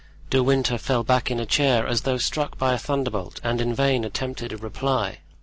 De Winter fell back in a chair as though struck by a thunderbolt and in vain attempted a reply.